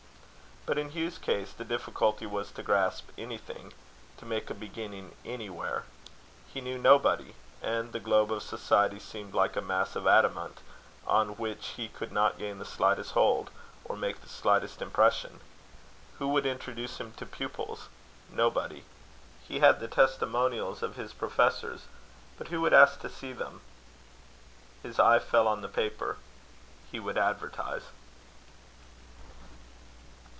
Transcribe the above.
But in Hugh's case, the difficulty was to grasp anything to make a beginning anywhere. He knew nobody; and the globe of society seemed like a mass of adamant, on which he could not gain the slightest hold, or make the slightest impression. Who would introduce him to pupils? Nobody. He had the testimonials of his professors; but who would ask to see them? His eye fell on the paper. He would advertise.